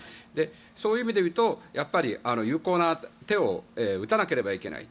そういう意味で言うと有効な手を打たないといけない。